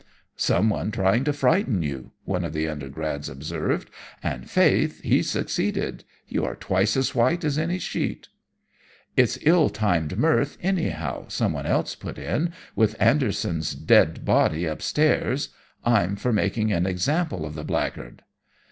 "'Someone trying to frighten you,' one of the undergrads observed, 'and faith, he succeeded. You are twice as white as any sheet.' "'It's ill timed mirth, anyhow,' someone else put in, 'with Anderson's dead body upstairs. I'm for making an example of the blackguard.'